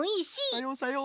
さようさよう。